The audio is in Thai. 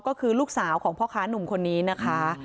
ก็คือลูกสาวของพ่อค้านุ่มคนนี้นะคะ